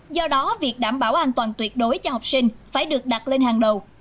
do đó việc đảm bảo an toàn tuyệt đối cho học sinh phải được đặt lên hàng đầu